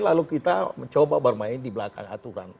lalu kita mencoba bermain di belakang aturan